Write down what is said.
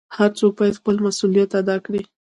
هر څوک بايد خپل مسؤليت ادا کړي .